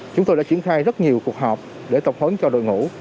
chúng tôi đã triển khai rất nhiều cuộc họp để tập huấn cho đội ngũ